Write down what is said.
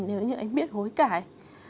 nếu như anh biết hối cải